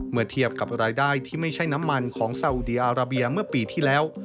เมื่อเทียบกับรายได้ที่ไม่ใช่น้ำมันของซาอุดีอาราเบียเมื่อปีที่แล้ว